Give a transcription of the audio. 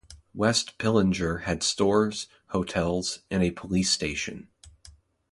West Pillinger had stores, hotels and a police station.